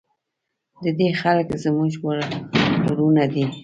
د دې خلک زموږ ورونه دي؟